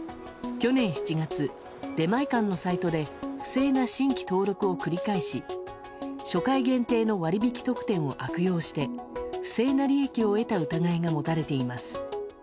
去年７月、出前館のサイトで不正な新規登録を繰り返し初回限定の割引特典を悪用して不正な利益を得た疑いが持たれています。